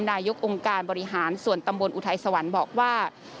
นายกองค์การบริหารส่วนตำบลอุทัยสวรรค์บอกว่า